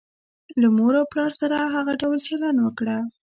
له مور او پلار سره هغه ډول چلند وکړه.